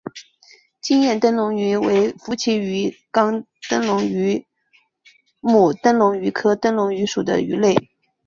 金焰灯笼鱼为辐鳍鱼纲灯笼鱼目灯笼鱼科灯笼鱼属的鱼类。